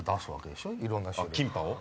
キンパを？